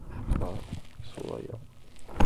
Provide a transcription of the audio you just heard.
— Токтай-Сола ял...